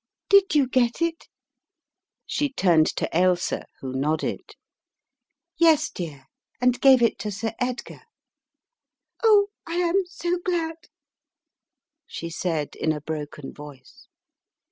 Did you get it?" she turned to Ailsa, who nodded. "Yes, dear, and gave it to Sir Edgar." "Oh, I am so glad!" she said in a broken voice.